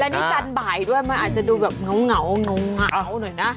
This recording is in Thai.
อันนี้จันทร์บ่ายด้วยมันอาจจะดูแบบเหงาเหงาหน่อยนะ